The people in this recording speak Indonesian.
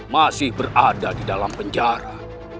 masih berada di dalam penjara